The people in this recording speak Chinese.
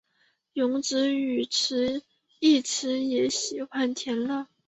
荣子与义持也喜欢田乐。